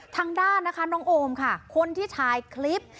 ทางด้านนะคะน้องโอมค่ะคนที่ถ่ายคลิป